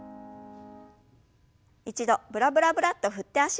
一度ブラブラブラッと振って脚をほぐしましょう。